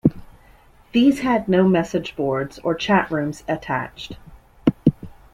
These had no message boards or chat rooms attached.